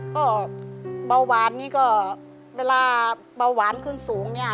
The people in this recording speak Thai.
ก็เบาหวานนี่ก็เวลาเบาหวานขึ้นสูงเนี่ย